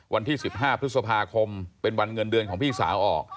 วันที่๑๕พฤษภาคมเป็นวันเงินเดือนของพี่สาวออก